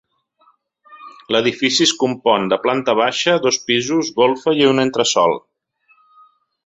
L'edifici es compon de planta baixa, dos pisos, golfa i un entresòl.